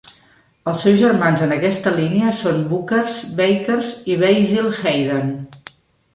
Els seus germans en aquesta línia són Booker's, Baker's i Basil Hayden.